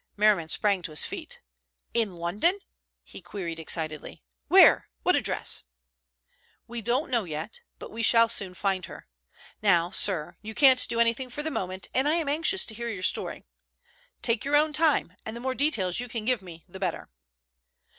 Merriman sprang to his feet. "In London?" he queried excitedly. "Where? What address?" "We don't know yet, but we shall soon find her. Now, sir, you can't do anything for the moment, and I am anxious to hear your story. Take your own time, and the more details you can give me the better."